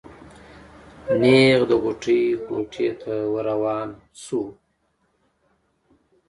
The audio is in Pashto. نېغ د غوټۍ کوټې ته ور روان شو.